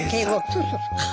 そうそうそう。